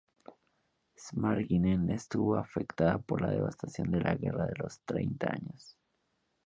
Sigmaringen estuvo afectada por la devastación de la Guerra de los Treinta Años.